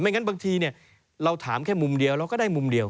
งั้นบางทีเราถามแค่มุมเดียวเราก็ได้มุมเดียว